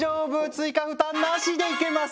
追加負担なしでいけます！